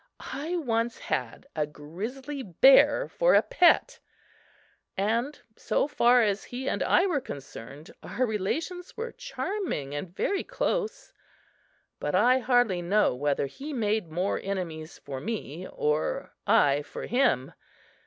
I once had a grizzly bear for a pet and so far as he and I were concerned, our relations were charming and very close. But I hardly know whether he made more enemies for me or I for him.